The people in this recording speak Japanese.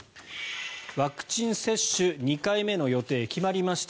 ワクチン接種２回目の予定、決まりました。